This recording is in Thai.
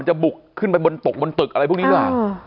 บุกขึ้นไปบนตกบนตึกอะไรพวกนี้หรือเปล่า